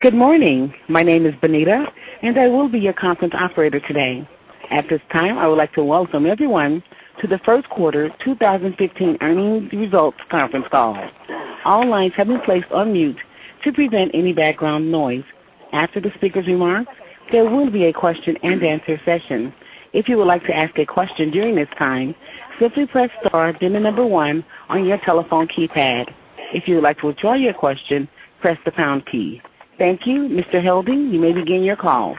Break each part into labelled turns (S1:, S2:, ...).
S1: Good morning. My name is Bonita, and I will be your conference operator today. At this time, I would like to welcome everyone to the first quarter 2015 earnings results conference call. All lines have been placed on mute to prevent any background noise. After the speaker's remarks, there will be a question and answer session. If you would like to ask a question during this time, simply press star, then the number one on your telephone keypad. If you would like to withdraw your question, press the pound key. Thank you. Mr. Helding, you may begin your call.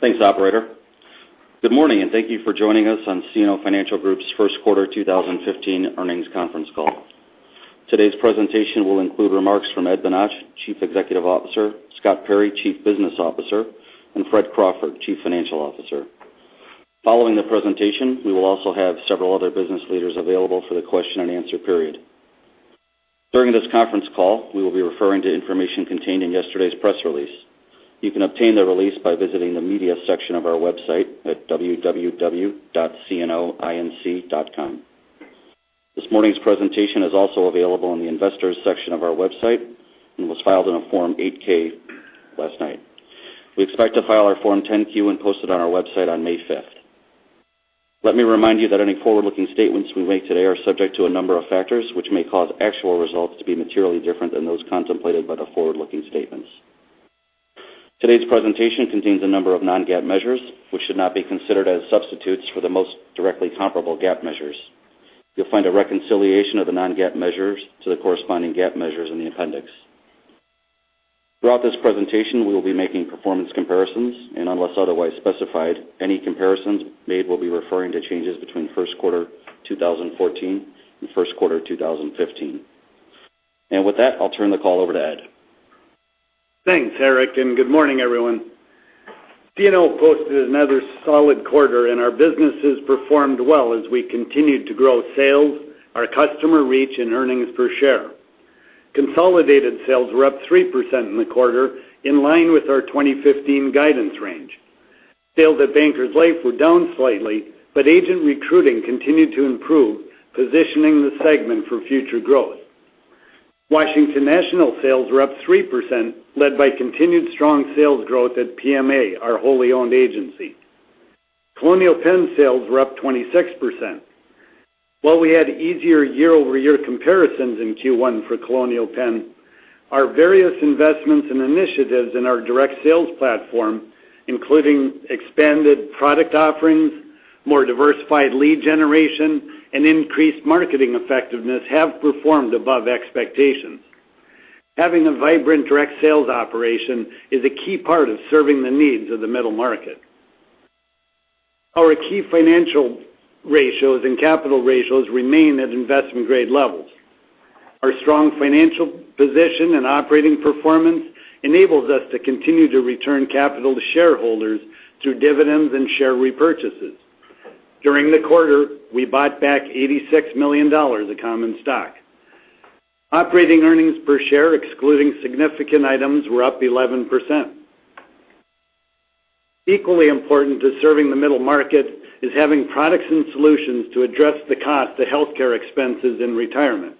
S2: Thanks, operator. Good morning, thank you for joining us on CNO Financial Group's first quarter 2015 earnings conference call. Today's presentation will include remarks from Ed Bonach, Chief Executive Officer, Scott Perry, Chief Business Officer, Fred Crawford, Chief Financial Officer. Following the presentation, we will also have several other business leaders available for the question and answer period. During this conference call, we will be referring to information contained in yesterday's press release. You can obtain the release by visiting the media section of our website at www.cnoinc.com. This morning's presentation is also available in the investors section of our website and was filed in a Form 8-K last night. We expect to file our Form 10-Q and post it on our website on May 5th. Let me remind you that any forward-looking statements we make today are subject to a number of factors which may cause actual results to be materially different than those contemplated by the forward-looking statements. Today's presentation contains a number of non-GAAP measures, which should not be considered as substitutes for the most directly comparable GAAP measures. You'll find a reconciliation of the non-GAAP measures to the corresponding GAAP measures in the appendix. Throughout this presentation, we will be making performance comparisons, unless otherwise specified, any comparisons made will be referring to changes between first quarter 2014 and first quarter 2015. With that, I'll turn the call over to Ed.
S3: Thanks, Erik, good morning, everyone. CNO posted another solid quarter, our businesses performed well as we continued to grow sales, our customer reach, earnings per share. Consolidated sales were up 3% in the quarter, in line with our 2015 guidance range. Sales at Bankers Life were down slightly, agent recruiting continued to improve, positioning the segment for future growth. Washington National sales were up 3%, led by continued strong sales growth at PMA, our wholly owned agency. Colonial Penn sales were up 26%. We had easier year-over-year comparisons in Q1 for Colonial Penn, our various investments and initiatives in our direct sales platform, including expanded product offerings, more diversified lead generation, increased marketing effectiveness, have performed above expectations. Having a vibrant direct sales operation is a key part of serving the needs of the middle market. Our key financial ratios and capital ratios remain at investment-grade levels. Our strong financial position and operating performance enables us to continue to return capital to shareholders through dividends and share repurchases. During the quarter, we bought back $86 million of common stock. Operating earnings per share, excluding significant items, were up 11%. Equally important to serving the middle market is having products and solutions to address the cost of healthcare expenses in retirement.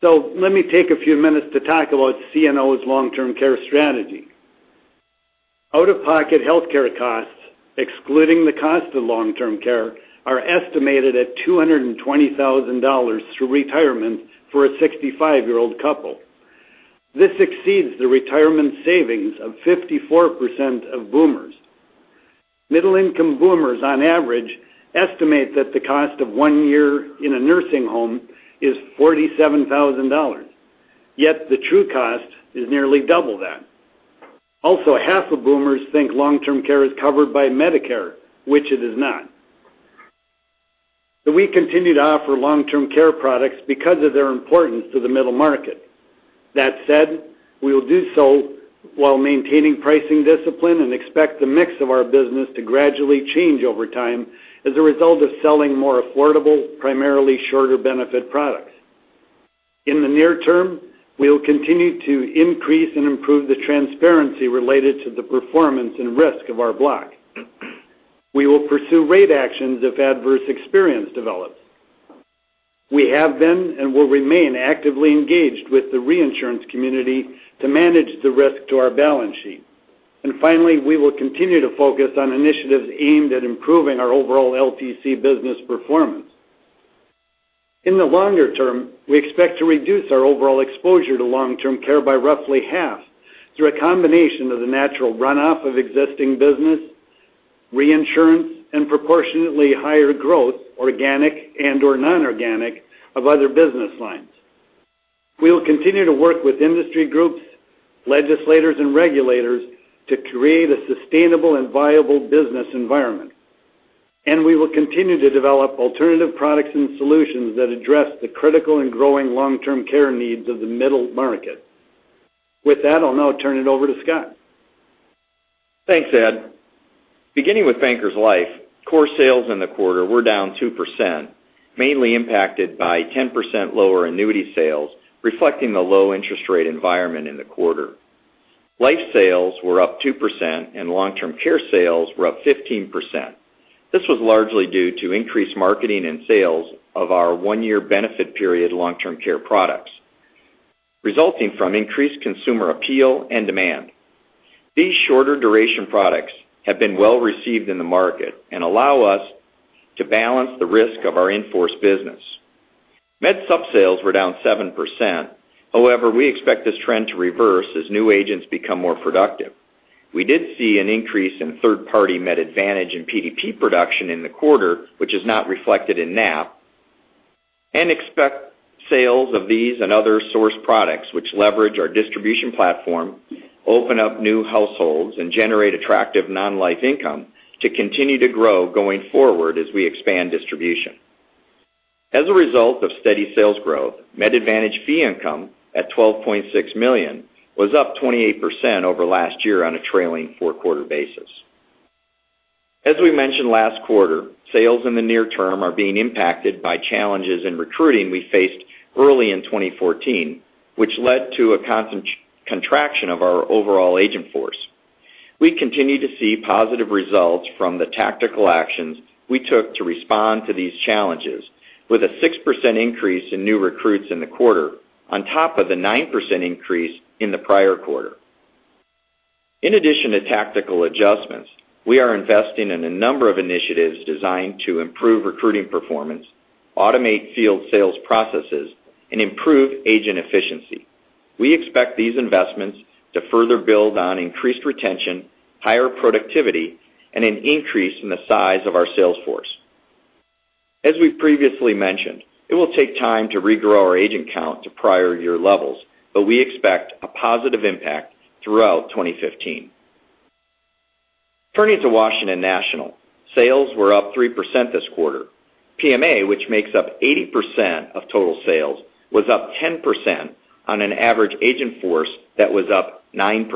S3: Let me take a few minutes to talk about CNO's long-term care strategy. Out-of-pocket healthcare costs, excluding the cost of long-term care, are estimated at $220,000 through retirement for a 65-year-old couple. This exceeds the retirement savings of 54% of Boomers. Middle income Boomers on average estimate that the cost of one year in a nursing home is $47,000. Yet the true cost is nearly double that. Also, half of Boomers think long-term care is covered by Medicare, which it is not. We continue to offer long-term care products because of their importance to the middle market. That said, we will do so while maintaining pricing discipline and expect the mix of our business to gradually change over time as a result of selling more affordable, primarily shorter benefit products. In the near term, we will continue to increase and improve the transparency related to the performance and risk of our block. We will pursue rate actions if adverse experience develops. We have been and will remain actively engaged with the reinsurance community to manage the risk to our balance sheet. Finally, we will continue to focus on initiatives aimed at improving our overall LTC business performance. In the longer term, we expect to reduce our overall exposure to long-term care by roughly half through a combination of the natural runoff of existing business, reinsurance, and proportionately higher growth, organic and/or non-organic, of other business lines. We will continue to work with industry groups, legislators, and regulators to create a sustainable and viable business environment. We will continue to develop alternative products and solutions that address the critical and growing long-term care needs of the middle market. With that, I'll now turn it over to Scott.
S4: Thanks, Ed. Beginning with Bankers Life, core sales in the quarter were down 2%, mainly impacted by 10% lower annuity sales, reflecting the low interest rate environment in the quarter. Life sales were up 2%, and long-term care sales were up 15%. This was largely due to increased marketing and sales of our one-year benefit period long-term care products, resulting from increased consumer appeal and demand. These shorter duration products have been well-received in the market and allow us to balance the risk of our in-force business. Med Supp sales were down 7%. However, we expect this trend to reverse as new agents become more productive. We did see an increase in third-party Medicare Advantage and PDP production in the quarter, which is not reflected in NAP, and expect sales of these and other source products which leverage our distribution platform, open up new households, and generate attractive non-life income to continue to grow going forward as we expand distribution. As a result of steady sales growth, Medicare Advantage fee income at $12.6 million was up 28% over last year on a trailing four-quarter basis. As we mentioned last quarter, sales in the near term are being impacted by challenges in recruiting we faced early in 2014, which led to a constant contraction of our overall agent force. We continue to see positive results from the tactical actions we took to respond to these challenges, with a 6% increase in new recruits in the quarter, on top of the 9% increase in the prior quarter. In addition to tactical adjustments, we are investing in a number of initiatives designed to improve recruiting performance, automate field sales processes, and improve agent efficiency. We expect these investments to further build on increased retention, higher productivity, and an increase in the size of our sales force. As we previously mentioned, it will take time to regrow our agent count to prior year levels, but we expect a positive impact throughout 2015. Turning to Washington National, sales were up 3% this quarter. PMA, which makes up 80% of total sales, was up 10% on an average agent force that was up 9%.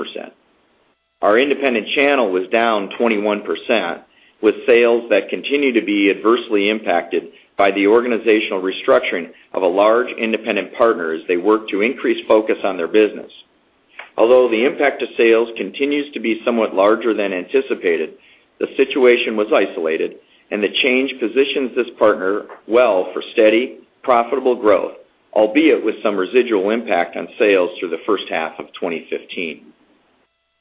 S4: Our independent channel was down 21%, with sales that continue to be adversely impacted by the organizational restructuring of a large independent partner as they work to increase focus on their business. Although the impact to sales continues to be somewhat larger than anticipated, the situation was isolated, and the change positions this partner well for steady, profitable growth, albeit with some residual impact on sales through the first half of 2015.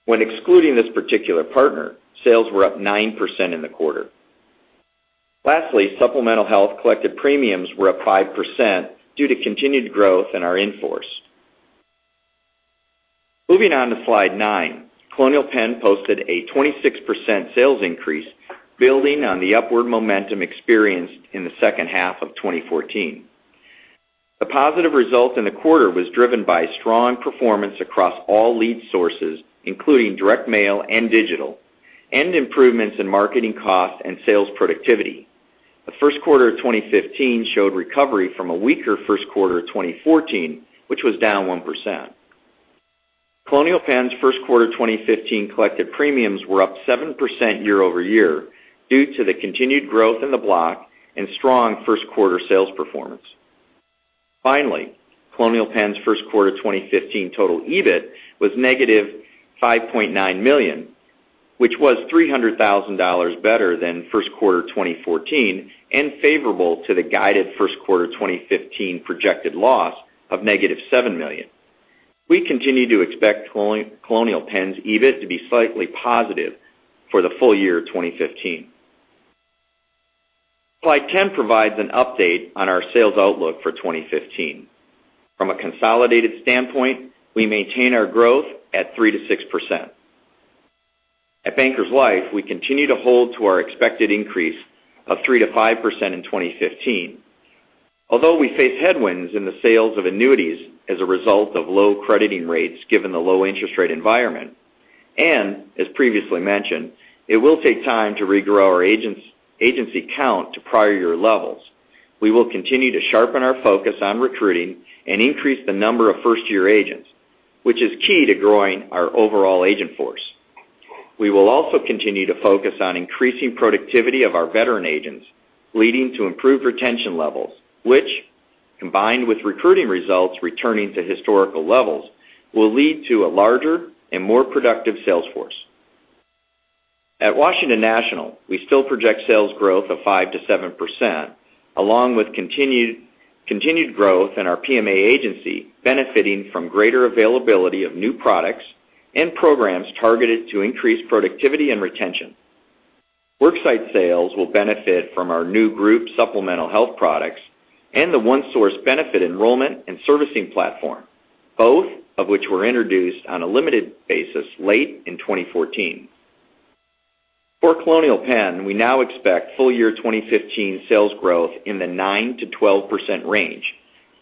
S4: When excluding this particular partner, sales were up 9% in the quarter. Lastly, supplemental health collected premiums were up 5% due to continued growth in our in-force. Moving on to slide nine, Colonial Penn posted a 26% sales increase building on the upward momentum experienced in the second half of 2014. The positive result in the quarter was driven by strong performance across all lead sources, including direct mail and digital, and improvements in marketing cost and sales productivity. The first quarter of 2015 showed recovery from a weaker first quarter of 2014, which was down 1%. Colonial Penn's first quarter 2015 collected premiums were up 7% year-over-year due to the continued growth in the block and strong first quarter sales performance. Finally, Colonial Penn's first quarter 2015 total EBIT was negative $5.9 million, which was $300,000 better than first quarter 2014 and favorable to the guided first quarter 2015 projected loss of negative $7 million. We continue to expect Colonial Penn's EBIT to be slightly positive for the full year of 2015. Slide 10 provides an update on our sales outlook for 2015. From a consolidated standpoint, we maintain our growth at 3%-6%. At Bankers Life, we continue to hold to our expected increase of 3%-5% in 2015. Although we face headwinds in the sales of annuities as a result of low crediting rates given the low interest rate environment, as previously mentioned, it will take time to regrow our agency count to prior year levels. We will continue to sharpen our focus on recruiting and increase the number of first-year agents, which is key to growing our overall agent force. We will also continue to focus on increasing productivity of our veteran agents, leading to improved retention levels, which, combined with recruiting results returning to historical levels, will lead to a larger and more productive sales force. At Washington National, we still project sales growth of 5%-7%, along with continued growth in our PMA agency, benefiting from greater availability of new products and programs targeted to increase productivity and retention. Worksite sales will benefit from our new group supplemental health products and the OneSource benefit enrollment and servicing platform, both of which were introduced on a limited basis late in 2014. For Colonial Penn, we now expect full year 2015 sales growth in the 9%-12% range,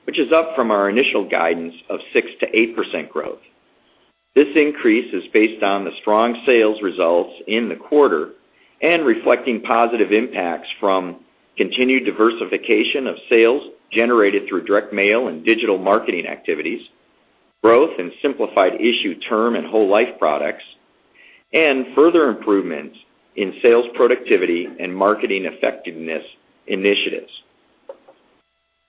S4: which is up from our initial guidance of 6%-8% growth. This increase is based on the strong sales results in the quarter and reflecting positive impacts from continued diversification of sales generated through direct mail and digital marketing activities, growth in simplified issue term and whole life products, and further improvements in sales productivity and marketing effectiveness initiatives.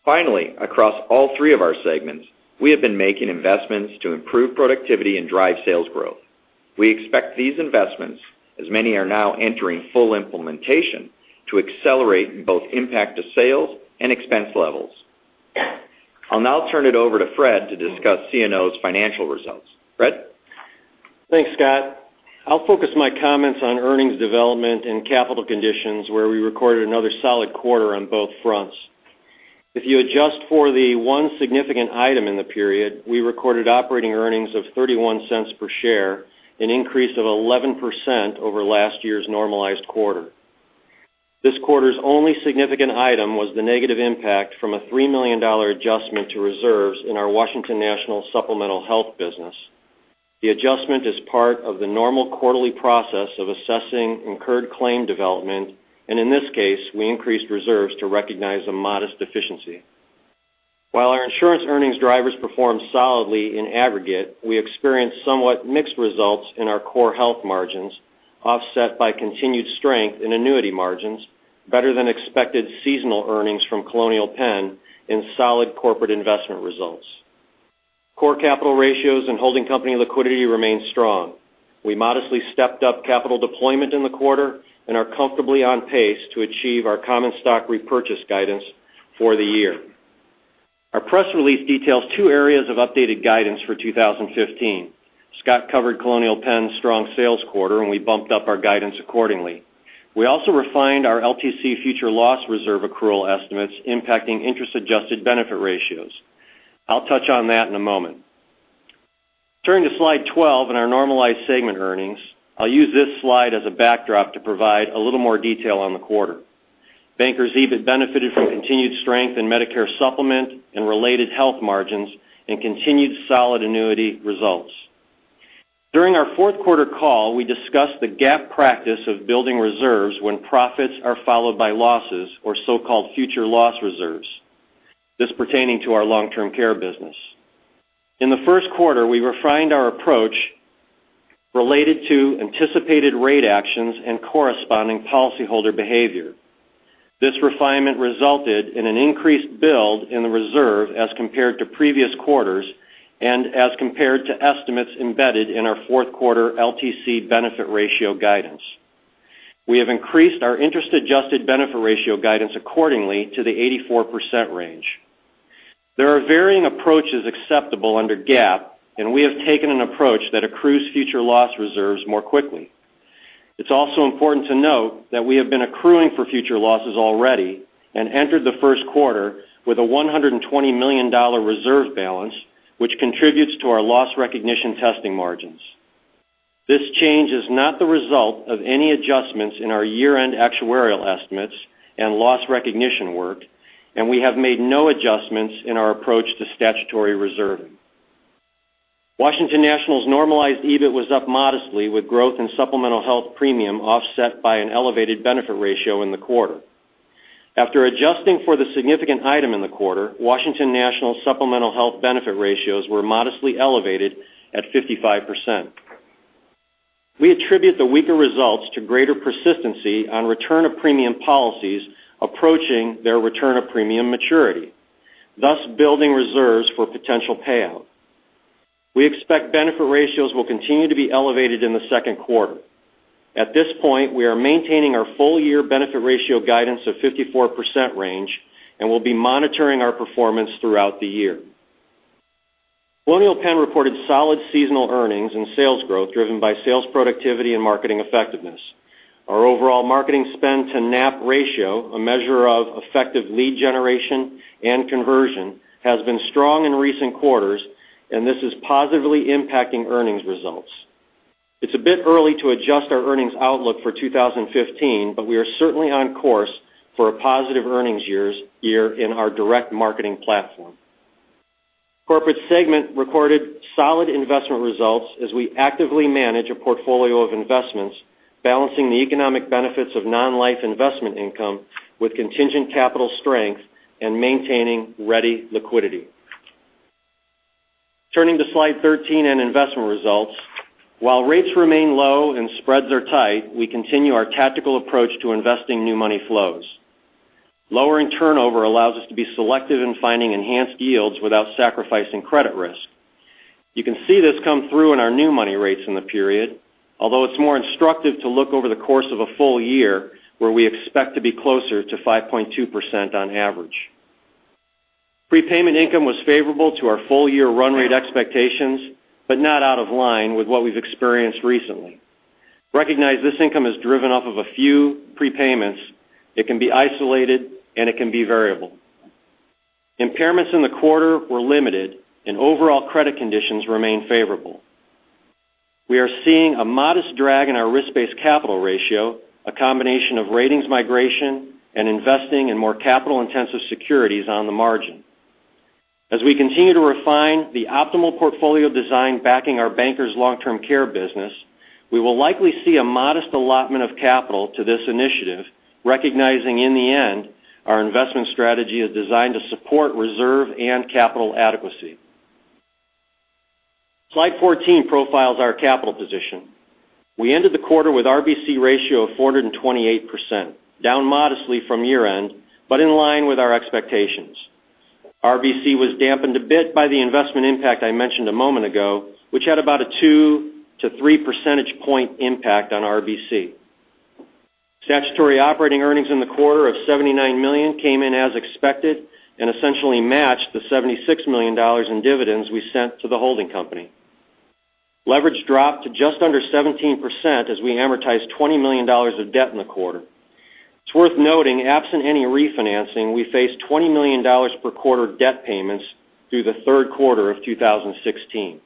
S4: Finally, across all three of our segments, we have been making investments to improve productivity and drive sales growth. We expect these investments, as many are now entering full implementation, to accelerate in both impact to sales and expense levels. I'll now turn it over to Fred to discuss CNO's financial results. Fred?
S5: Thanks, Scott. I'll focus my comments on earnings development and capital conditions, where we recorded another solid quarter on both fronts. If you adjust for the one significant item in the period, we recorded operating earnings of $0.31 per share, an increase of 11% over last year's normalized quarter. This quarter's only significant item was the negative impact from a $3 million adjustment to reserves in our Washington National supplemental health business. The adjustment is part of the normal quarterly process of assessing incurred claim development, and in this case, we increased reserves to recognize a modest deficiency. While our insurance earnings drivers performed solidly in aggregate, we experienced somewhat mixed results in our core health margins, offset by continued strength in annuity margins, better than expected seasonal earnings from Colonial Penn, and solid corporate investment results. Core capital ratios and holding company liquidity remain strong. We modestly stepped up capital deployment in the quarter and are comfortably on pace to achieve our common stock repurchase guidance for the year. Our press release details two areas of updated guidance for 2015. Scott covered Colonial Penn's strong sales quarter, we bumped up our guidance accordingly. We also refined our LTC future loss reserve accrual estimates impacting interest-adjusted benefit ratios. I'll touch on that in a moment. Turning to slide 12 and our normalized segment earnings, I'll use this slide as a backdrop to provide a little more detail on the quarter. Bankers Life benefited from continued strength in Medicare Supplement and related health margins and continued solid annuity results. During our fourth quarter call, we discussed the GAAP practice of building reserves when profits are followed by losses or so-called future loss reserves, this pertaining to our long-term care business. In the first quarter, we refined our approach related to anticipated rate actions and corresponding policyholder behavior. This refinement resulted in an increased build in the reserve as compared to previous quarters and as compared to estimates embedded in our fourth quarter LTC benefit ratio guidance. We have increased our interest-adjusted benefit ratio guidance accordingly to the 84% range. There are varying approaches acceptable under GAAP, we have taken an approach that accrues future loss reserves more quickly. It's also important to note that we have been accruing for future losses already, entered the first quarter with a $120 million reserve balance, which contributes to our loss recognition testing margins. This change is not the result of any adjustments in our year-end actuarial estimates and loss recognition work, we have made no adjustments in our approach to statutory reserving. Washington National's normalized EBIT was up modestly with growth in supplemental health premium offset by an elevated benefit ratio in the quarter. After adjusting for the significant item in the quarter, Washington National supplemental health benefit ratios were modestly elevated at 55%. We attribute the weaker results to greater persistency on return of premium policies approaching their return of premium maturity, thus building reserves for potential payout. We expect benefit ratios will continue to be elevated in the second quarter. At this point, we are maintaining our full-year benefit ratio guidance of 54% range, will be monitoring our performance throughout the year. Colonial Penn reported solid seasonal earnings and sales growth driven by sales productivity and marketing effectiveness. Our overall marketing spend to NAP ratio, a measure of effective lead generation and conversion, has been strong in recent quarters, this is positively impacting earnings results. It's a bit early to adjust our earnings outlook for 2015, we are certainly on course for a positive earnings year in our direct marketing platform. Corporate segment recorded solid investment results as we actively manage a portfolio of investments balancing the economic benefits of non-life investment income with contingent capital strength, maintaining ready liquidity. Turning to slide 13 and investment results. While rates remain low and spreads are tight, we continue our tactical approach to investing new money flows. Lowering turnover allows us to be selective in finding enhanced yields without sacrificing credit risk. You can see this come through in our new money rates in the period, although it's more instructive to look over the course of a full year where we expect to be closer to 5.2% on average. Prepayment income was favorable to our full-year run rate expectations, but not out of line with what we've experienced recently. Recognize this income is driven off of a few prepayments. It can be isolated, and it can be variable. Impairments in the quarter were limited and overall credit conditions remain favorable. We are seeing a modest drag in our risk-based capital ratio, a combination of ratings migration and investing in more capital-intensive securities on the margin. As we continue to refine the optimal portfolio design backing our Bankers Long-Term Care business, we will likely see a modest allotment of capital to this initiative, recognizing in the end, our investment strategy is designed to support reserve and capital adequacy. Slide 14 profiles our capital position. We ended the quarter with RBC ratio of 428%, down modestly from year-end, but in line with our expectations. RBC was dampened a bit by the investment impact I mentioned a moment ago, which had about a 2 to 3 percentage point impact on RBC. Statutory operating earnings in the quarter of $79 million came in as expected and essentially matched the $76 million in dividends we sent to the holding company. Leverage dropped to just under 17% as we amortized $20 million of debt in the quarter. It's worth noting, absent any refinancing, we face $20 million per quarter debt payments through the third quarter of 2016.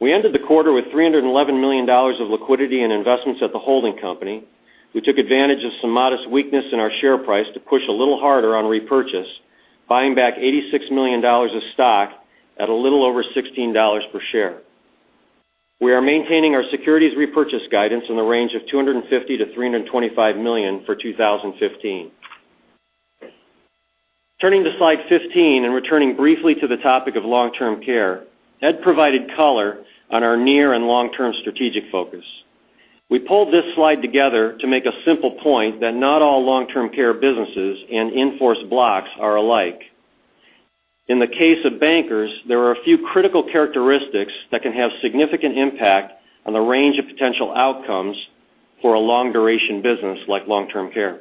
S5: We ended the quarter with $311 million of liquidity and investments at the holding company. We took advantage of some modest weakness in our share price to push a little harder on repurchase, buying back $86 million of stock at a little over $16 per share. We are maintaining our securities repurchase guidance in the range of $250 million-$325 million for 2015. Turning to slide 15 and returning briefly to the topic of long-term care, Ed provided color on our near and long-term strategic focus. We pulled this slide together to make a simple point that not all long-term care businesses and in-force blocks are alike. In the case of Bankers, there are a few critical characteristics that can have significant impact on the range of potential outcomes for a long-duration business like long-term care.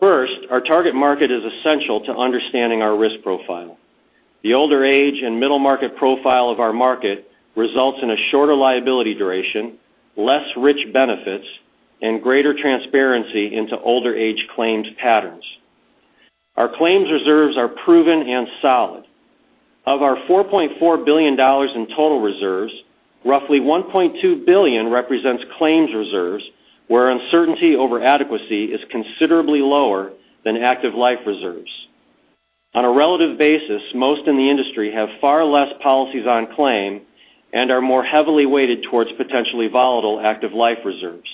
S5: First, our target market is essential to understanding our risk profile. The older age and middle market profile of our market results in a shorter liability duration, less rich benefits, and greater transparency into older age claims patterns. Our claims reserves are proven and solid. Of our $4.4 billion in total reserves, roughly $1.2 billion represents claims reserves, where uncertainty over adequacy is considerably lower than active life reserves. On a relative basis, most in the industry have far less policies on claim and are more heavily weighted towards potentially volatile active life reserves.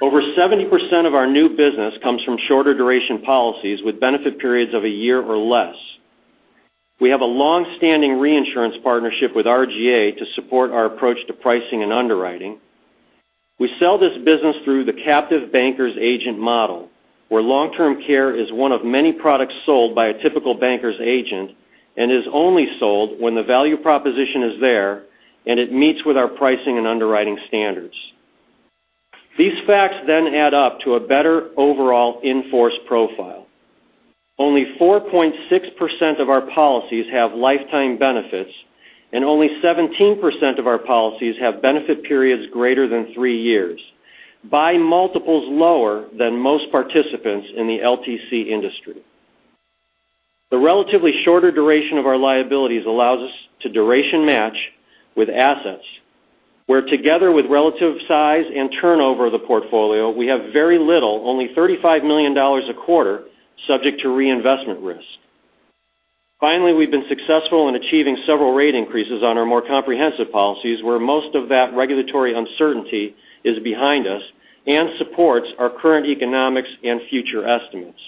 S5: Over 70% of our new business comes from shorter duration policies with benefit periods of a year or less. We have a long-standing reinsurance partnership with RGA to support our approach to pricing and underwriting. We sell this business through the captive Bankers agent model, where long-term care is one of many products sold by a typical Bankers agent and is only sold when the value proposition is there and it meets with our pricing and underwriting standards. These facts add up to a better overall in-force profile. Only 4.6% of our policies have lifetime benefits, and only 17% of our policies have benefit periods greater than three years, by multiples lower than most participants in the LTC industry. The relatively shorter duration of our liabilities allows us to duration match with assets, where together with relative size and turnover of the portfolio, we have very little, only $35 million a quarter, subject to reinvestment risk. We've been successful in achieving several rate increases on our more comprehensive policies, where most of that regulatory uncertainty is behind us and supports our current economics and future estimates.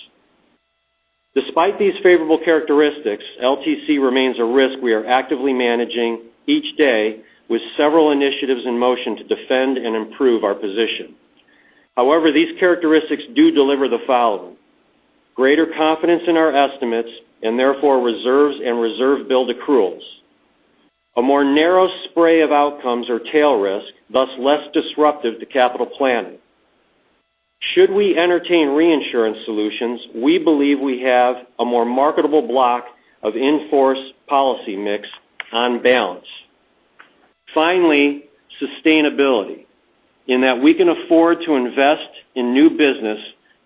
S5: Despite these favorable characteristics, LTC remains a risk we are actively managing each day with several initiatives in motion to defend and improve our position. These characteristics do deliver the following, greater confidence in our estimates and therefore reserves and reserve build accruals. A more narrow spray of outcomes or tail risk, thus less disruptive to capital planning. Should we entertain reinsurance solutions, we believe we have a more marketable block of in-force policy mix on balance. Sustainability, in that we can afford to invest in new business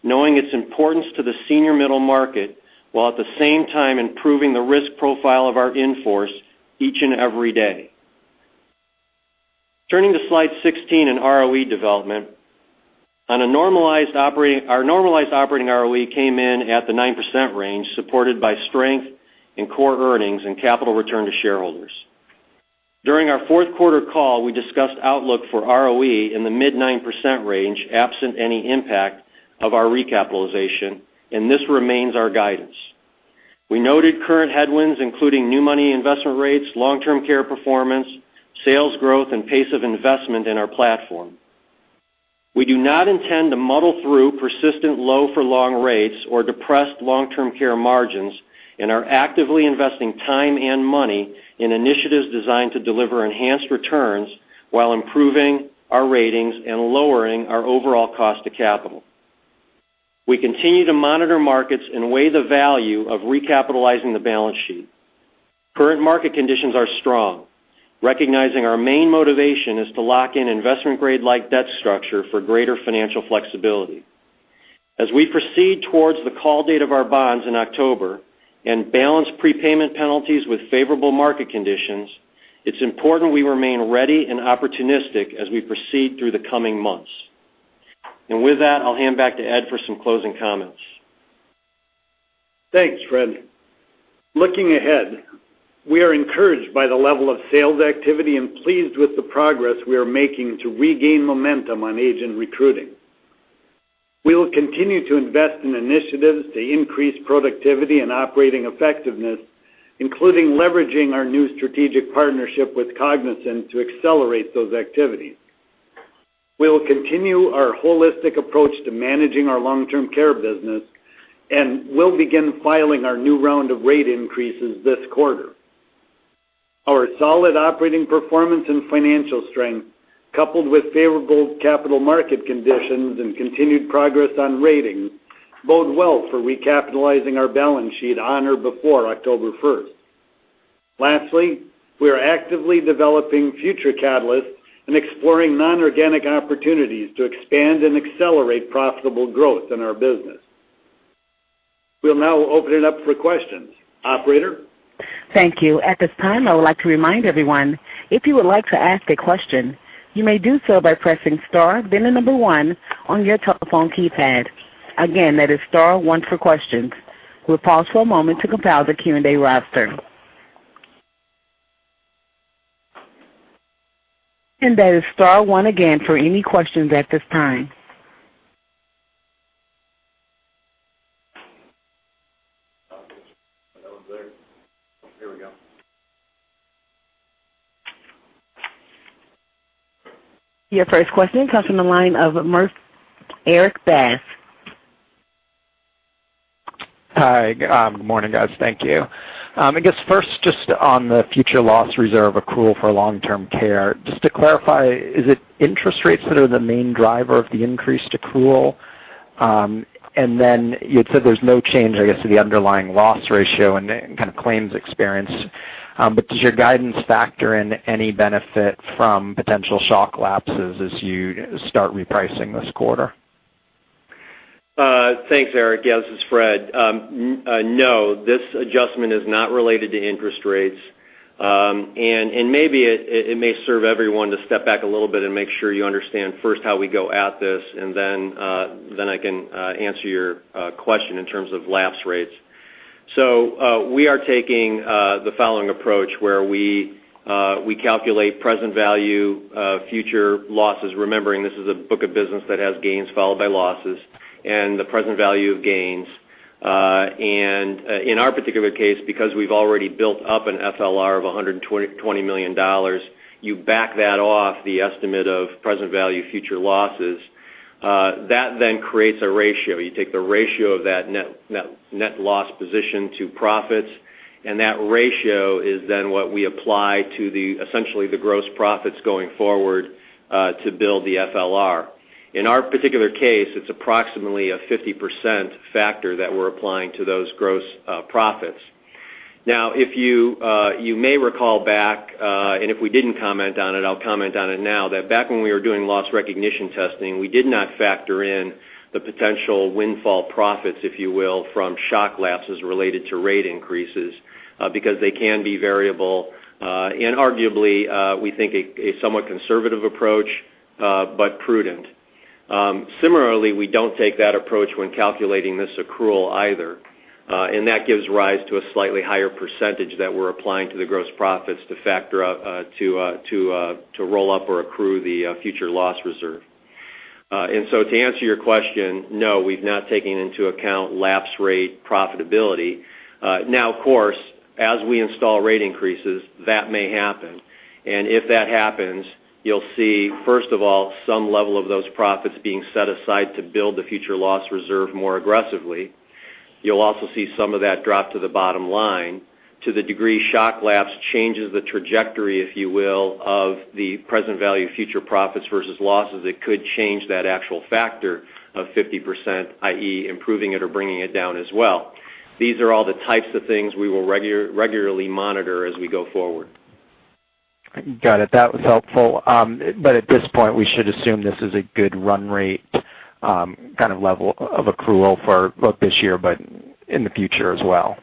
S5: knowing its importance to the senior middle market, while at the same time improving the risk profile of our in-force each and every day. Turning to slide 16 in ROE development. Our normalized operating ROE came in at the 9% range, supported by strength in core earnings and capital return to shareholders. During our fourth quarter call, we discussed outlook for ROE in the mid-9% range, absent any impact of our recapitalization, and this remains our guidance. We noted current headwinds, including new money investment rates, long-term care performance, sales growth, and pace of investment in our platform. We do not intend to muddle through persistent low for long rates or depressed long-term care margins and are actively investing time and money in initiatives designed to deliver enhanced returns while improving our ratings and lowering our overall cost to capital. We continue to monitor markets and weigh the value of recapitalizing the balance sheet. Current market conditions are strong, recognizing our main motivation is to lock in investment-grade like debt structure for greater financial flexibility. As we proceed towards the call date of our bonds in October and balance prepayment penalties with favorable market conditions, it's important we remain ready and opportunistic as we proceed through the coming months. With that, I'll hand back to Ed for some closing comments.
S3: Thanks, Fred. Looking ahead, we are encouraged by the level of sales activity and pleased with the progress we are making to regain momentum on agent recruiting. We will continue to invest in initiatives to increase productivity and operating effectiveness, including leveraging our new strategic partnership with Cognizant to accelerate those activities. We will continue our holistic approach to managing our long-term care business, and we'll begin filing our new round of rate increases this quarter. Our solid operating performance and financial strength, coupled with favorable capital market conditions and continued progress on ratings, bode well for recapitalizing our balance sheet on or before October 1st. We are actively developing future catalysts and exploring non-organic opportunities to expand and accelerate profitable growth in our business. We'll now open it up for questions. Operator?
S1: Thank you. At this time, I would like to remind everyone, if you would like to ask a question, you may do so by pressing star, then the number one on your telephone keypad. Again, that is star one for questions. We'll pause for a moment to compile the Q&A roster. That is star one again for any questions at this time.
S3: Here we go.
S1: Your first question comes from the line of Erik Bass.
S6: Hi. Good morning, guys. Thank you. I guess first, just on the future loss reserve accrual for long-term care, just to clarify, is it interest rates that are the main driver of the increase to accrual? Then you had said there's no change, I guess, to the underlying loss ratio and kind of claims experience. Does your guidance factor in any benefit from potential shock lapses as you start repricing this quarter?
S5: Thanks, Erik. This is Fred. This adjustment is not related to interest rates. Maybe it may serve everyone to step back a little bit and make sure you understand first how we go at this, then I can answer your question in terms of lapse rates. We are taking the following approach, where we calculate present value of future losses, remembering this is a book of business that has gains followed by losses, and the present value of gains. In our particular case, because we've already built up an FLR of $120 million, you back that off the estimate of present value future losses. That then creates a ratio. You take the ratio of that net loss position to profits, that ratio is then what we apply to essentially the gross profits going forward, to build the FLR. In our particular case, it's approximately a 50% factor that we're applying to those gross profits. You may recall back, if we didn't comment on it, I'll comment on it now, that back when we were doing loss recognition testing, we did not factor in the potential windfall profits, if you will, from shock lapses related to rate increases because they can be variable. Arguably, we think a somewhat conservative approach, but prudent. Similarly, we don't take that approach when calculating this accrual either. That gives rise to a slightly higher percentage that we're applying to the gross profits to factor out to roll up or accrue the future loss reserve. To answer your question, no, we've not taken into account lapse rate profitability. Now, of course, as we install rate increases, that may happen. If that happens, you'll see, first of all, some level of those profits being set aside to build the future loss reserve more aggressively. You'll also see some of that drop to the bottom line to the degree shock lapse changes the trajectory, if you will, of the present value future profits versus losses, it could change that actual factor of 50%, i.e., improving it or bringing it down as well. These are all the types of things we will regularly monitor as we go forward.
S6: Got it. That was helpful. At this point, we should assume this is a good run rate kind of level of accrual for both this year, but in the future as well.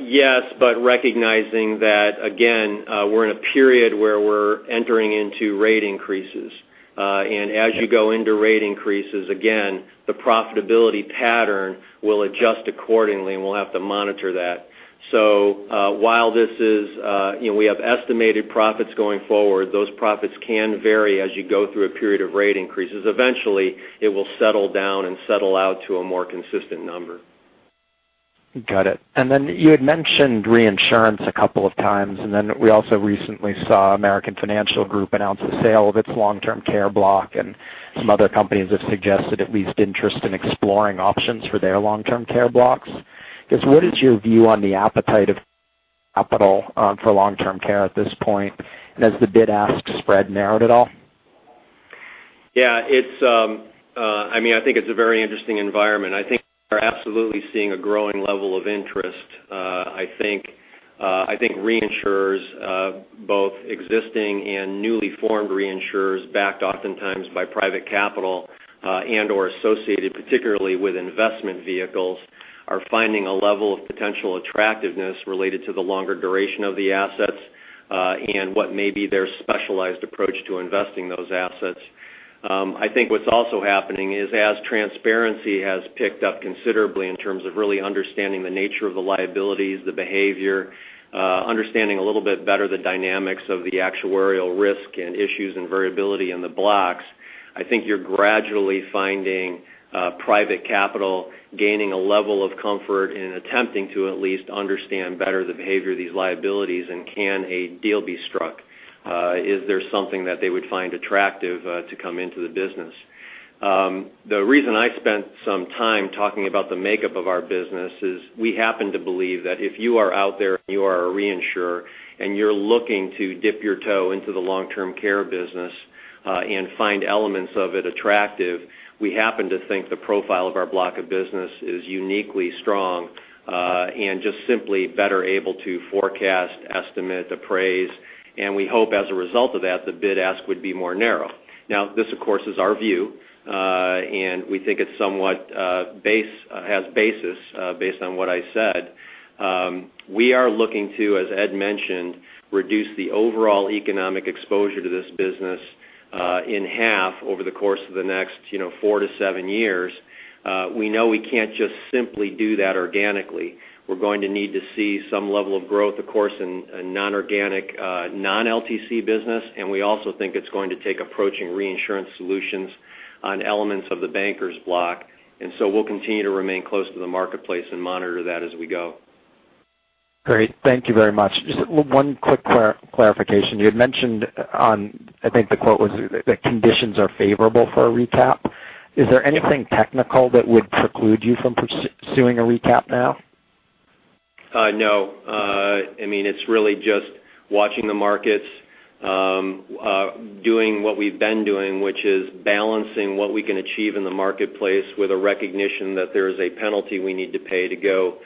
S5: Yes, recognizing that, again, we're in a period where we're entering into rate increases. As you go into rate increases, again, the profitability pattern will adjust accordingly, and we'll have to monitor that. While we have estimated profits going forward, those profits can vary as you go through a period of rate increases. Eventually, it will settle down and settle out to a more consistent number.
S6: Got it. You had mentioned reinsurance a couple of times, then we also recently saw American Financial Group announce the sale of its long-term care block, and some other companies have suggested at least interest in exploring options for their long-term care blocks. I guess what is your view on the appetite of capital for long-term care at this point? Has the bid-ask spread narrowed at all?
S5: Yeah. I think it's a very interesting environment. I think we're absolutely seeing a growing level of interest. I think reinsurers, both existing and newly formed reinsurers backed oftentimes by private capital, and/or associated particularly with investment vehicles, are finding a level of potential attractiveness related to the longer duration of the assets, and what may be their specialized approach to investing those assets. I think what's also happening is as transparency has picked up considerably in terms of really understanding the nature of the liabilities, the behavior, understanding a little bit better the dynamics of the actuarial Issues and variability in the blocks. I think you're gradually finding private capital gaining a level of comfort in attempting to at least understand better the behavior of these liabilities and can a deal be struck? Is there something that they would find attractive to come into the business? The reason I spent some time talking about the makeup of our business is we happen to believe that if you are out there and you are a reinsurer, and you're looking to dip your toe into the long-term care business, and find elements of it attractive, we happen to think the profile of our block of business is uniquely strong, and just simply better able to forecast, estimate, appraise, and we hope as a result of that, the bid-ask would be more narrow. This, of course, is our view, and we think it somewhat has basis, based on what I said. We are looking to, as Ed mentioned, reduce the overall economic exposure to this business in half over the course of the next four to seven years. We know we can't just simply do that organically. We're going to need to see some level of growth, of course, in non-organic, non-LTC business, and we also think it's going to take approaching reinsurance solutions on elements of the Bankers Life block. We'll continue to remain close to the marketplace and monitor that as we go.
S6: Great. Thank you very much. Just one quick clarification. You had mentioned on, I think the quote was, the conditions are favorable for a recap. Is there anything technical that would preclude you from pursuing a recap now?
S5: No. It's really just watching the markets, doing what we've been doing, which is balancing what we can achieve in the marketplace with a recognition that there is a penalty we need to pay to go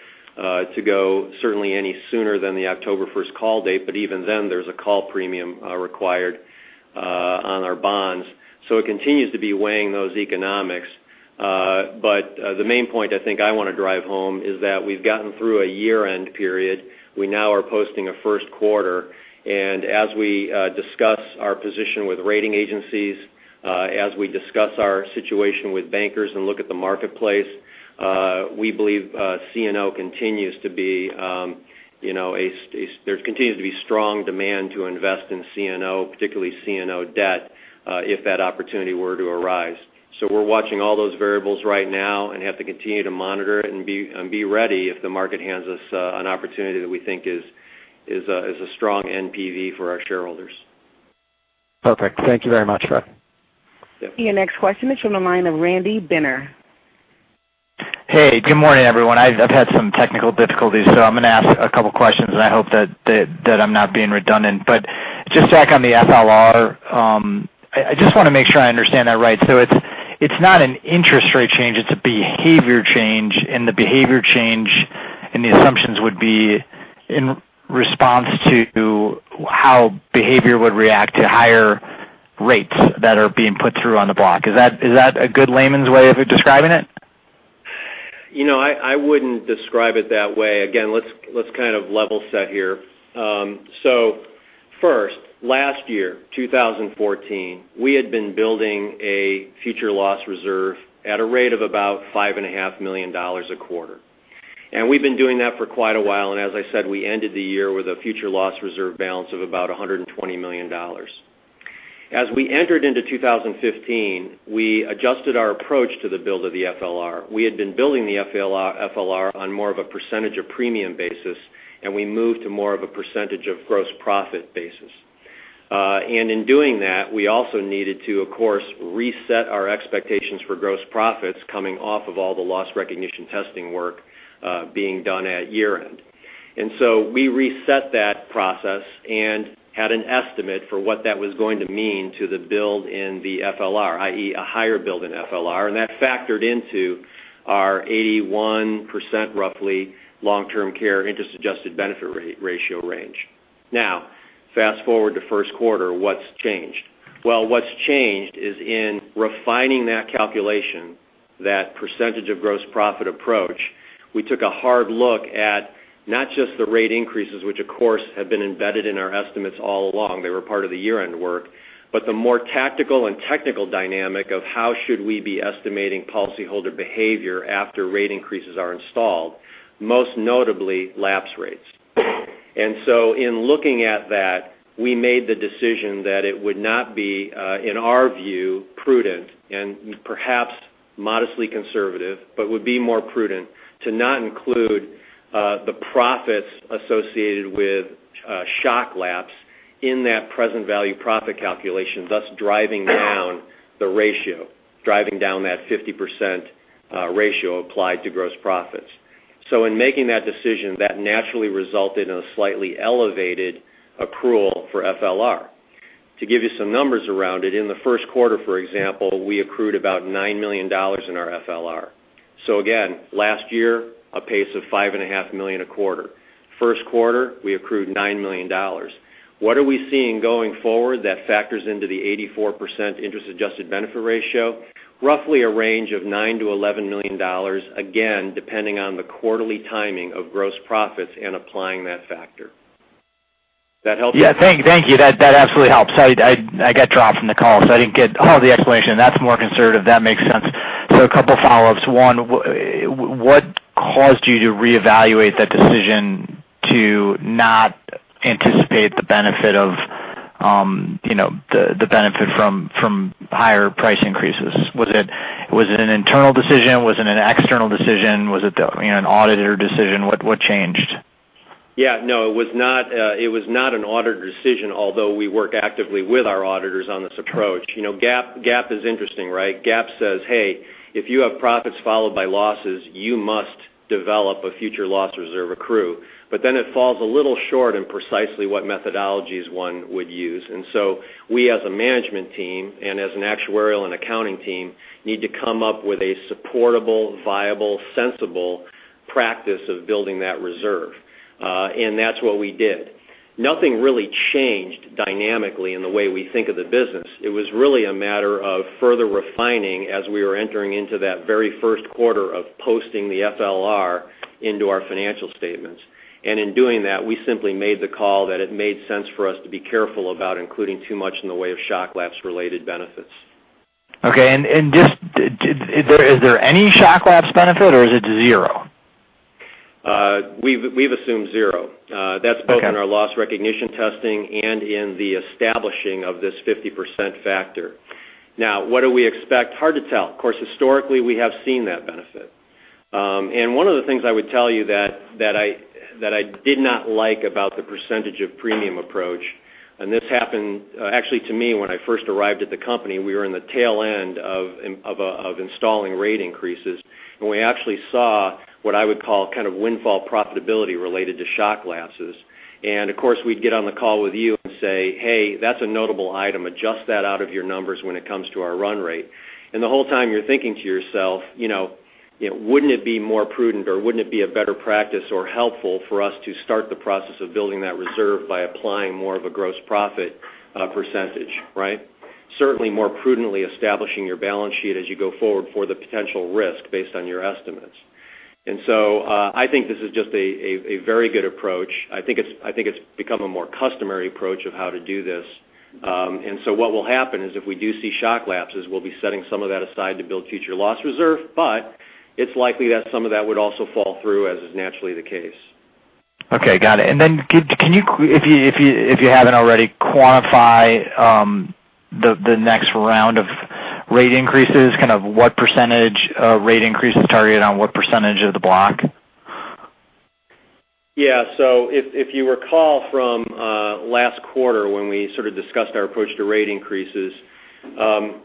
S5: certainly any sooner than the October 1st call date, but even then, there's a call premium required on our bonds. It continues to be weighing those economics. The main point I think I want to drive home is that we've gotten through a year-end period. We now are posting a first quarter, and as we discuss our position with rating agencies, as we discuss our situation with bankers and look at the marketplace, we believe there continues to be strong demand to invest in CNO, particularly CNO debt, if that opportunity were to arise. We're watching all those variables right now and have to continue to monitor and be ready if the market hands us an opportunity that we think is a strong NPV for our shareholders.
S6: Perfect. Thank you very much, Fred.
S1: Your next question is from the line of Randy Binner.
S7: Hey, good morning, everyone. I've had some technical difficulties, I'm going to ask a couple questions, and I hope that I'm not being redundant. Just back on the FLR, I just want to make sure I understand that right. It's not an interest rate change, it's a behavior change, and the behavior change and the assumptions would be in response to how behavior would react to higher rates that are being put through on the block. Is that a good layman's way of describing it?
S5: I wouldn't describe it that way. Again, let's kind of level set here. First, last year, 2014, we had been building a future loss reserve at a rate of about $5.5 million a quarter. We've been doing that for quite a while, as I said, we ended the year with a future loss reserve balance of about $120 million. As we entered into 2015, we adjusted our approach to the build of the FLR. We had been building the FLR on more of a percentage of premium basis, we moved to more of a percentage of gross profit basis. In doing that, we also needed to, of course, reset our expectations for gross profits coming off of all the loss recognition testing work being done at year-end. We reset that process and had an estimate for what that was going to mean to the build in the FLR, i.e., a higher build in FLR, and that factored into our 81%, roughly, long-term care interest-adjusted benefit ratio range. What's changed? What's changed is in refining that calculation, that percentage of gross profit approach, we took a hard look at not just the rate increases, which of course, have been embedded in our estimates all along. They were part of the year-end work. The more tactical and technical dynamic of how should we be estimating policyholder behavior after rate increases are installed, most notably, lapse rates. In looking at that, we made the decision that it would not be, in our view, prudent, and perhaps modestly conservative, but would be more prudent to not include the profits associated with shock lapse in that present value profit calculation, thus driving down the ratio. Driving down that 50% ratio applied to gross profits. In making that decision, that naturally resulted in a slightly elevated accrual for FLR. To give you some numbers around it, in the first quarter, for example, we accrued about $9 million in our FLR. Again, last year, a pace of $5.5 million a quarter. First quarter, we accrued $9 million. What are we seeing going forward that factors into the 84% interest-adjusted benefit ratio? Roughly a range of $9 million to $11 million, again, depending on the quarterly timing of gross profits and applying that factor. That help you?
S7: Yeah. Thank you. That absolutely helps. I got dropped from the call, so I didn't get all of the explanation. That's more conservative. That makes sense. A couple follow-ups. One, what caused you to reevaluate that decision to not anticipate the benefit from higher price increases? Was it an internal decision? Was it an external decision? Was it an auditor decision? What changed?
S5: Yeah, no, it was not an auditor decision, although we work actively with our auditors on this approach. GAAP is interesting, right? GAAP says, hey, if you have profits followed by losses, you must develop a future loss reserve accrue. It falls a little short in precisely what methodologies one would use. We as a management team and as an actuarial and accounting team, need to come up with a supportable, viable, sensible practice of building that reserve. That's what we did. Nothing really changed dynamically in the way we think of the business. It was really a matter of further refining as we were entering into that very first quarter of posting the FLR into our financial statements. In doing that, we simply made the call that it made sense for us to be careful about including too much in the way of shock lapse related benefits.
S7: Okay. Is there any shock lapse benefit or is it zero?
S5: We've assumed zero.
S7: Okay.
S5: That's both in our loss recognition testing and in the establishing of this 50% factor. What do we expect? Hard to tell. Of course, historically, we have seen that benefit. One of the things I would tell you that I did not like about the percentage of premium approach, and this happened actually to me when I first arrived at the company, we were in the tail end of installing rate increases, and we actually saw what I would call kind of windfall profitability related to shock lapses. Of course, we'd get on the call with you and say, "Hey, that's a notable item. Adjust that out of your numbers when it comes to our run rate. The whole time you're thinking to yourself, wouldn't it be more prudent or wouldn't it be a better practice or helpful for us to start the process of building that reserve by applying more of a gross profit percentage, right? Certainly more prudently establishing your balance sheet as you go forward for the potential risk based on your estimates. I think this is just a very good approach. I think it's become a more customary approach of how to do this. What will happen is if we do see shock lapses, we'll be setting some of that aside to build future loss reserve, but it's likely that some of that would also fall through, as is naturally the case.
S7: Okay. Got it. Can you, if you haven't already, quantify the next round of rate increases, kind of what % rate increases targeted on what % of the block?
S5: Yeah. If you recall from last quarter when we sort of discussed our approach to rate increases,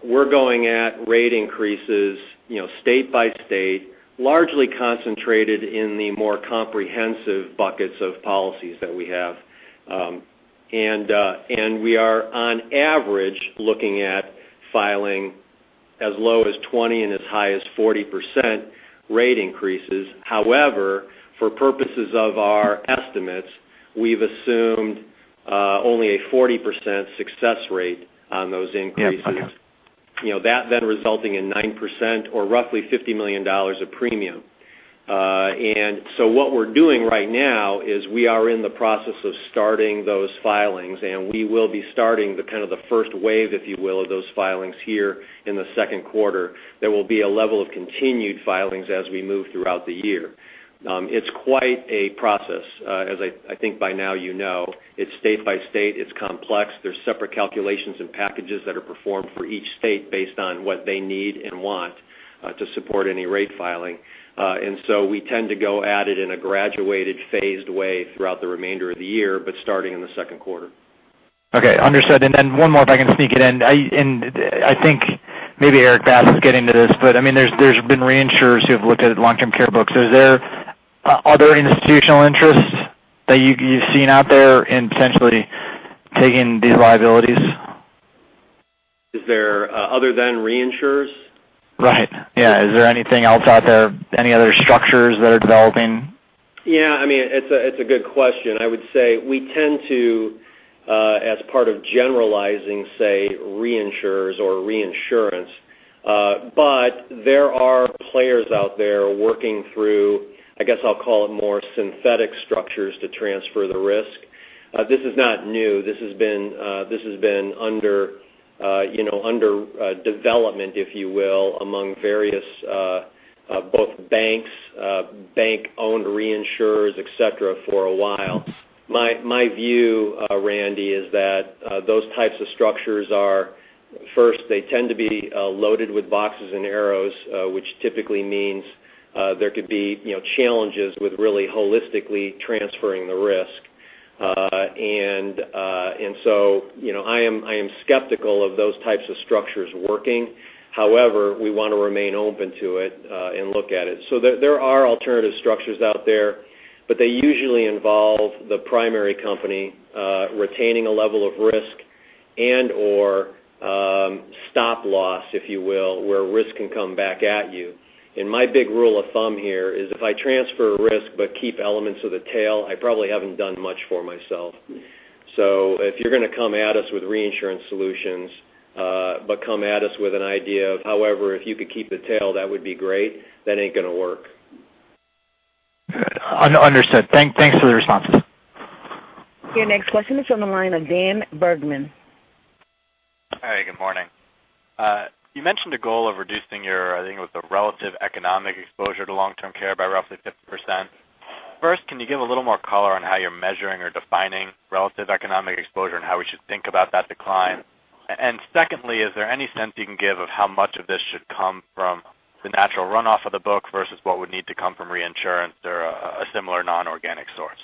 S5: we're going at rate increases state by state, largely concentrated in the more comprehensive buckets of policies that we have. We are, on average, looking at filing as low as 20% and as high as 40% rate increases. However, for purposes of our estimates, we've assumed only a 40% success rate on those increases.
S7: Yeah. Okay.
S5: Resulting in 9% or roughly $50 million of premium. What we're doing right now is we are in the process of starting those filings, and we will be starting the kind of the first wave, if you will, of those filings here in the second quarter. There will be a level of continued filings as we move throughout the year. It's quite a process, as I think by now you know. It's state by state. It's complex. There's separate calculations and packages that are performed for each state based on what they need and want to support any rate filing. We tend to go at it in a graduated, phased way throughout the remainder of the year, but starting in the second quarter.
S7: Okay. Understood. One more, if I can sneak it in. I think maybe Erik Bass will get into this, but there's been reinsurers who have looked at long-term care books. Are there institutional interests that you've seen out there in potentially taking these liabilities?
S5: Is there other than reinsurers?
S7: Right. Yeah. Is there anything else out there? Any other structures that are developing?
S5: Yeah. It's a good question. I would say we tend to, as part of generalizing, say reinsurers or reinsurance, but there are players out there working through, I guess I'll call it more synthetic structures to transfer the risk. This is not new. This has been under development, if you will, among various both banks, bank-owned reinsurers, et cetera, for a while. My view, Randy, is that those types of structures are first, they tend to be loaded with boxes and arrows, which typically means there could be challenges with really holistically transferring the risk. I am skeptical of those types of structures working. However, we want to remain open to it and look at it. There are alternative structures out there, but they usually involve the primary company retaining a level of risk and/or stop loss, if you will, where risk can come back at you. My big rule of thumb here is if I transfer risk but keep elements of the tail, I probably haven't done much for myself. If you're going to come at us with reinsurance solutions, but come at us with an idea of however, if you could keep the tail that would be great, that ain't going to work.
S7: Understood. Thanks for the responses.
S1: Your next question is on the line of Dan Bergman.
S8: Hi, good morning. You mentioned a goal of reducing your relative economic exposure to long-term care by roughly 50%. First, can you give a little more color on how you're measuring or defining relative economic exposure and how we should think about that decline? Secondly, is there any sense you can give of how much of this should come from the natural runoff of the book versus what would need to come from reinsurance or a similar non-organic source?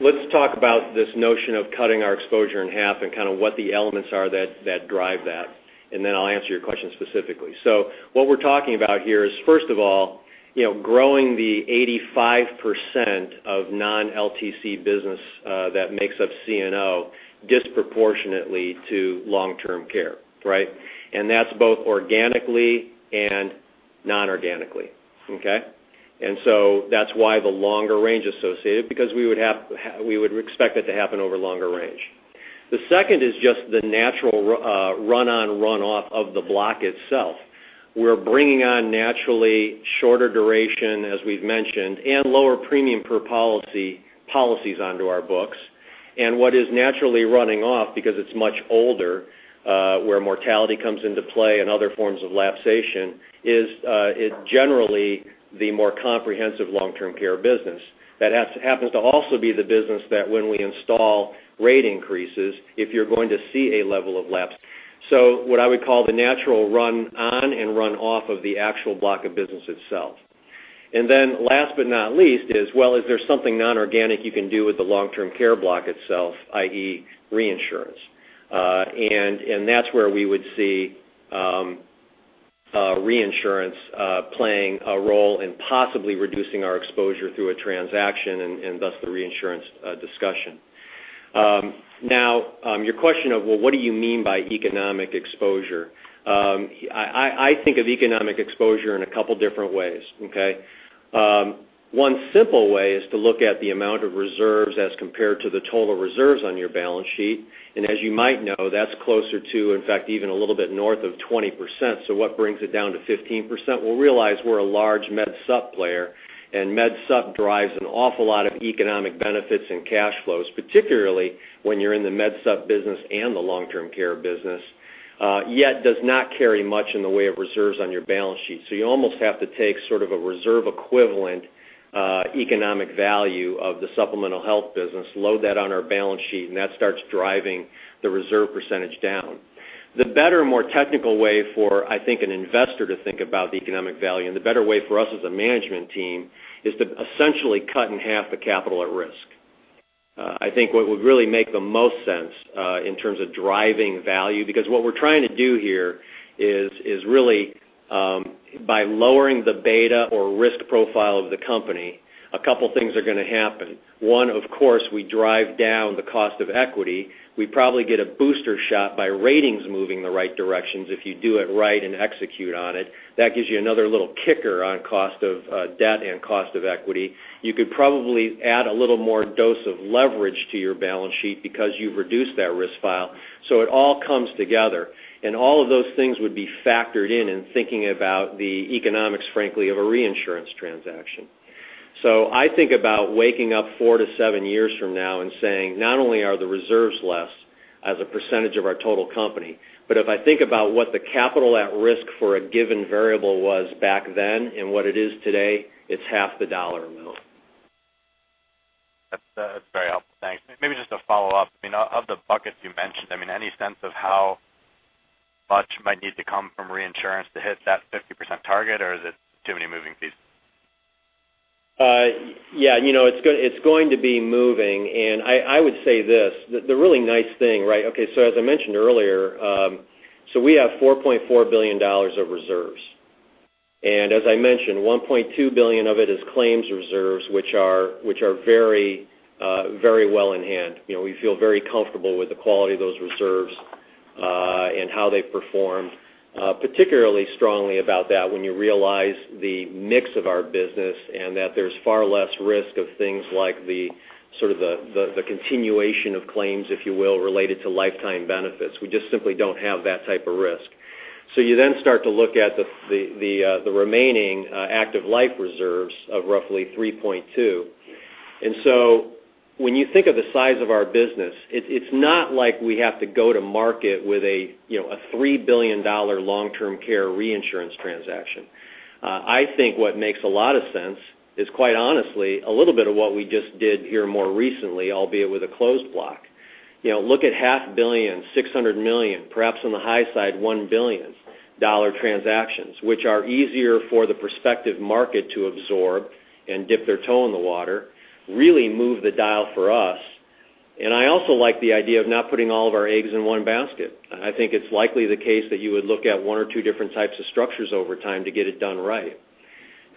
S5: Let's talk about this notion of cutting our exposure in half and kind of what the elements are that drive that, and then I'll answer your question specifically. What we're talking about here is, first of all, growing the 85% of non-LTC business that makes up CNO disproportionately to long-term care, right? That's both organically and non-organically. Okay? That's why the longer range associated, because we would expect it to happen over longer range. The second is just the natural run-on/run-off of the block itself. We're bringing on naturally shorter duration, as we've mentioned, and lower premium per policies onto our books. What is naturally running off, because it's much older, where mortality comes into play and other forms of lapsation, is generally the more comprehensive long-term care business. That happens to also be the business that when we install rate increases, if you're going to see a level of lapse. What I would call the natural run-on and run-off of the actual block of business itself. Last but not least is, well, is there something non-organic you can do with the long-term care block itself, i.e., reinsurance? That's where we would see reinsurance playing a role in possibly reducing our exposure through a transaction, and thus the reinsurance discussion. Your question of, well, what do you mean by economic exposure? I think of economic exposure in a couple different ways, okay? One simple way is to look at the amount of reserves as compared to the total reserves on your balance sheet. As you might know, that's closer to, in fact, even a little bit north of 20%. What brings it down to 15%? Well, realize we're a large Medicare Supplement player, and Medicare Supplement drives an awful lot of economic benefits and cash flows, particularly when you're in the Medicare Supplement business and the long-term care business, yet does not carry much in the way of reserves on your balance sheet. You almost have to take sort of a reserve equivalent economic value of the supplemental health business, load that on our balance sheet, and that starts driving the reserve percentage down. The better, more technical way for, I think, an investor to think about the economic value, and the better way for us as a management team, is to essentially cut in half the capital at risk. I think what would really make the most sense, in terms of driving value, because what we're trying to do here is really by lowering the beta or risk profile of the company, a couple things are going to happen. One, of course, we drive down the cost of equity. We probably get a booster shot by ratings moving the right directions if you do it right and execute on it. That gives you another little kicker on cost of debt and cost of equity. You could probably add a little more dose of leverage to your balance sheet because you've reduced that risk profile. It all comes together, and all of those things would be factored in in thinking about the economics, frankly, of a reinsurance transaction. I think about waking up four to seven years from now and saying, not only are the reserves less as a percentage of our total company, but if I think about what the capital at risk for a given variable was back then and what it is today, it's half the dollar amount.
S8: That's very helpful. Thanks. Maybe just a follow-up. Of the buckets you mentioned, any sense of how much might need to come from reinsurance to hit that 50% target, or is it too many moving pieces?
S5: Yeah. Okay. As I mentioned earlier, so we have $4.4 billion of reserves. As I mentioned, $1.2 billion of it is claims reserves, which are very well in hand. We feel very comfortable with the quality of those reserves, and how they've performed. Particularly strongly about that when you realize the mix of our business and that there's far less risk of things like the continuation of claims, if you will, related to lifetime benefits. We just simply don't have that type of risk. You then start to look at the remaining active life reserves of roughly $3.2 billion. When you think of the size of our business, it's not like we have to go to market with a $3 billion long-term care reinsurance transaction. I think what makes a lot of sense is, quite honestly, a little bit of what we just did here more recently, albeit with a closed block. Look at half billion, $600 million, perhaps on the high side, $1 billion transactions, which are easier for the prospective market to absorb and dip their toe in the water, really move the dial for us. I also like the idea of not putting all of our eggs in one basket. I think it's likely the case that you would look at one or two different types of structures over time to get it done right.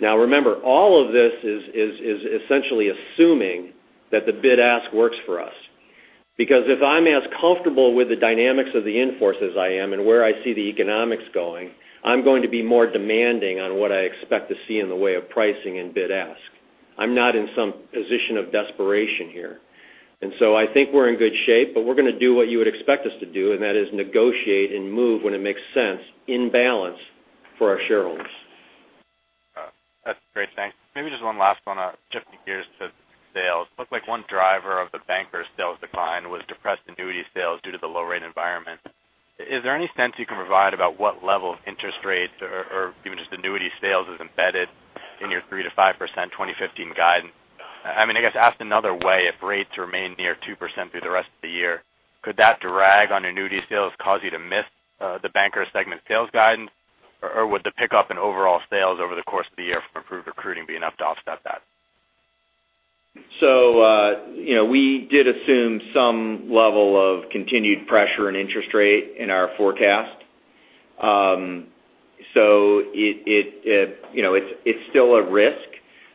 S5: Remember, all of this is essentially assuming that the bid ask works for us. If I'm as comfortable with the dynamics of the in-force as I am and where I see the economics going, I'm going to be more demanding on what I expect to see in the way of pricing in bid ask. I'm not in some position of desperation here. I think we're in good shape, but We're going to do what you would expect us to do, and that is negotiate and move when it makes sense in balance for our shareholders.
S8: Got it. That's great. Thanks. Maybe just one last one. Shifting gears to sales. Looked like one driver of the Bankers Life sales decline was depressed annuity sales due to the low rate environment. Is there any sense you can provide about what level of interest rates or even just annuity sales is embedded in your 3%-5% 2015 guidance? I guess asked another way, if rates remain near 2% through the rest of the year, could that drag on annuity sales cause you to miss the Bankers Life segment sales guidance? Would the pickup in overall sales over the course of the year from improved recruiting be enough to offset that?
S4: We did assume some level of continued pressure in interest rate in our forecast. It's still a risk,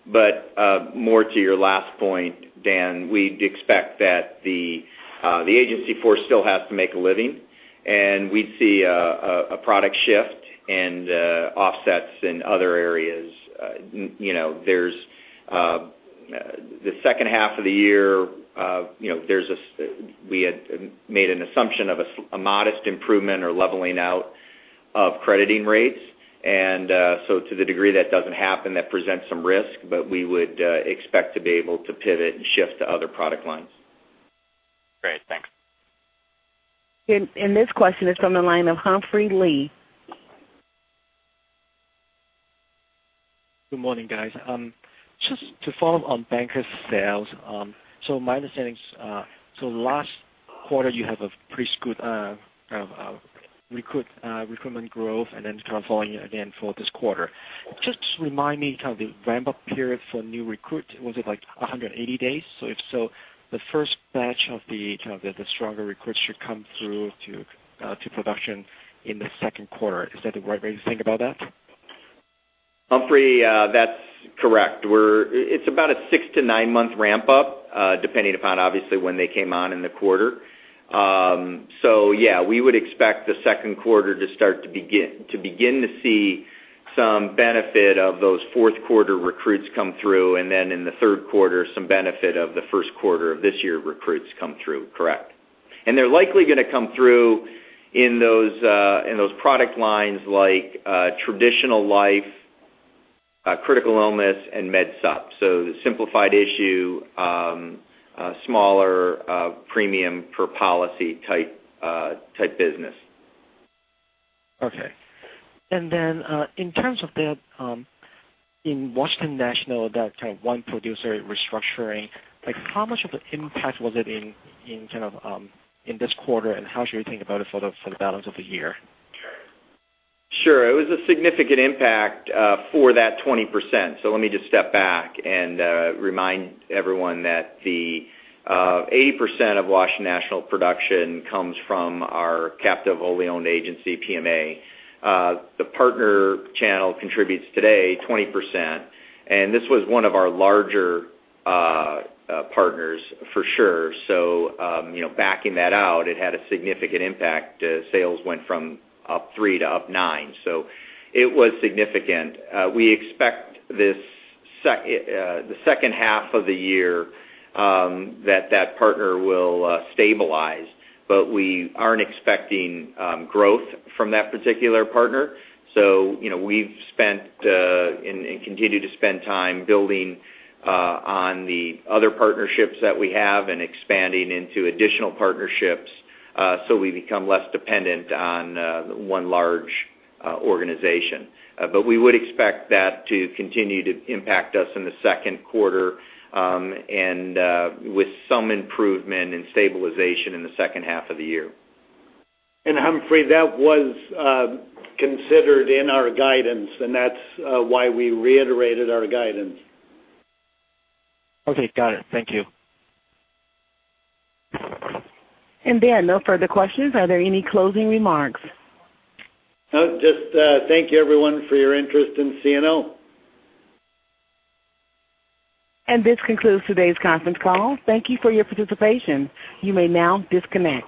S4: but more to your last point, Dan, we'd expect that the agency force still has to make a living, and we'd see a product shift and offsets in other areas. The second half of the year, we had made an assumption of a modest improvement or leveling out of crediting rates. To the degree that doesn't happen, that presents some risk, but we would expect to be able to pivot and shift to other product lines.
S8: Great. Thanks.
S1: This question is from the line of Humphrey Lee.
S9: Good morning, guys. Just to follow up on Bankers sales. My understanding is so last quarter you have a pretty good recruitment growth, and then kind of volume again for this quarter. Just remind me, kind of the ramp-up period for new recruit, was it like 180 days? If so, the first batch of the stronger recruits should come through to production in the second quarter. Is that the right way to think about that?
S4: Humphrey, that's correct. It's about a six to nine-month ramp up, depending upon obviously when they came on in the quarter. Yeah, we would expect the second quarter to begin to see some benefit of those fourth quarter recruits come through, then in the third quarter, some benefit of the first quarter of this year recruits come through. Correct. They're likely going to come through in those product lines like traditional life, critical illness, and Med Supp. The simplified issue, smaller premium per policy type business.
S9: Okay. Then, in terms of that, in Washington National, that one producer restructuring, how much of an impact was it in this quarter, and how should we think about it for the balance of the year?
S4: Sure. It was a significant impact for that 20%. Let me just step back and remind everyone that the 80% of Washington National production comes from our captive, wholly owned agency, PMA. The partner channel contributes today 20%, and this was one of our larger partners for sure. Backing that out, it had a significant impact. Sales went from up three to up nine. It was significant. We expect the second half of the year that that partner will stabilize, but we aren't expecting growth from that particular partner. We've spent and continue to spend time building on the other partnerships that we have and expanding into additional partnerships, so we become less dependent on one large organization. We would expect that to continue to impact us in the second quarter, and with some improvement and stabilization in the second half of the year.
S3: Humphrey, that was considered in our guidance, and that's why we reiterated our guidance.
S9: Okay, got it. Thank you.
S1: There are no further questions. Are there any closing remarks?
S3: No, just thank you everyone for your interest in CNO.
S1: This concludes today's conference call. Thank you for your participation. You may now disconnect.